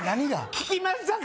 聞きましたか？